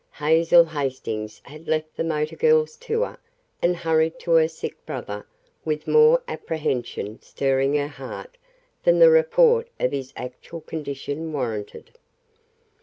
Hazel Hastings had left the motor girls' tour and hurried to her sick brother with more apprehension stirring her heart than the report of his actual condition warranted.